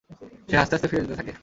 সে হাসতে হাসতে ফিরে যেতে থাকে।